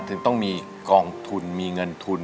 ถึงต้องมีกองทุนมีเงินทุน